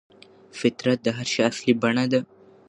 فطرت د هر شي اصلي بڼه ده.